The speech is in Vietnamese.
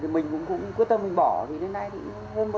mình cũng quyết tâm mình bỏ thì đến nay cũng hơn một mươi năm rồi